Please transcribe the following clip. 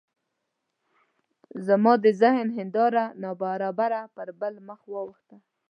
زما د ذهن هنداره ناببره پر بل مخ واوښته.